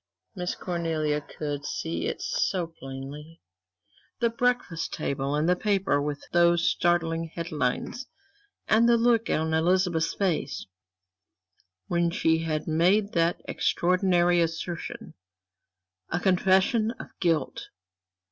Miss Cornelia could see it so plainly; the breakfast table and the paper with those startling headlines, and the look on Elizabeth's face, when she had made that extraordinary assertion. A confession of guilt!